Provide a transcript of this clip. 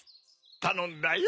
たのんだよ。